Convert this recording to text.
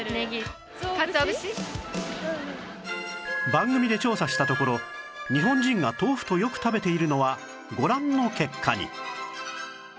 番組で調査したところ日本人が豆腐とよく食べているのはご覧の結果に